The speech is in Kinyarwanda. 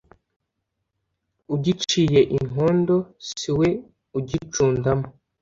Ugiciye inkondo siwe ugicundamo.